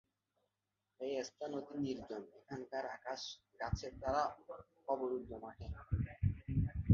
এই স্থান অতি নির্জন, এখানকার আকাশ গাছের দ্বারা অবরুদ্ধ নহে।